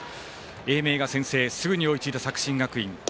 英明が先制すぐに追いついた作新学院。